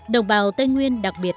đồng bào tây nguyên đặc biệt